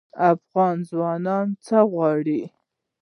افغان ځوانان څه غواړي؟